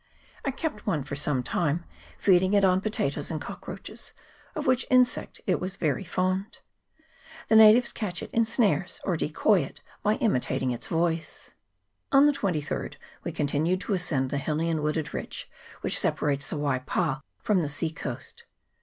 I kept one for some time, feeding it on potatoes and cockroaches, of which insect it was very fond. The natives catch it in snares, or decoy it by imitating its voice. On the 23rd we continued to ascend the hilly and wooded ridge which separates the Waipa from the sea coast.